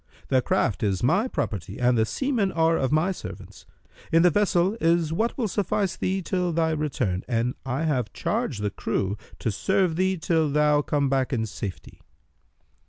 The craft is my property and the seamen are of my servants. In the vessel is what will suffice thee till thy return, and I have charged the crew to serve thee till thou come back in safety."